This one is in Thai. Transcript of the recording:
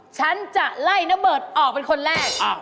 ฉันจะไล่นเบิร์ตออกเป็นคนแรก